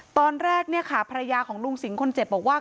ตอนแรกเนี่ยค่ะภรรยาของลุงสิงห์คนเจ็บบอกว่า